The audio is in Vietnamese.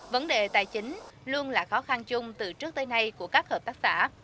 vấn đề tài chính luôn là khó khăn chung từ trước tới nay của các hợp tác xã